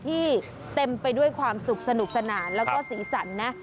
ที่เต็มไปด้วยความสุขสนุกสนานนะ